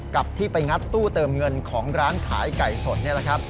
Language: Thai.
กับที่ไปงัดตู้เติมเงินของร้านขายไก่ส่หน